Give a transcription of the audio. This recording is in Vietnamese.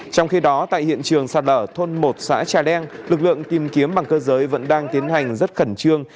trong khi đó tại hiện trường sạt lở thôn một xã trà leng lực lượng tìm kiếm bằng cơ giới vẫn đang tiến hành rất khẩn trương